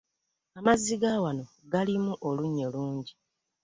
Amazzi gawano galimu olunyo lungi.